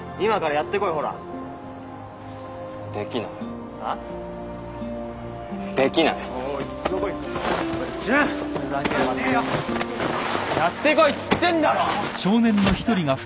やってこいっつってんだろ！